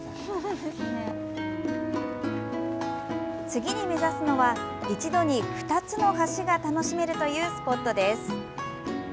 次に目指すのは一度に２つの橋が楽しめるというスポットです。